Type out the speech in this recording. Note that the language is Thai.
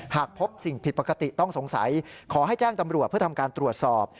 หากพบสิ่งผิดปกติต้องสงสัยขอให้แจ้งตำรวจเพื่อทำการตรวจสอบ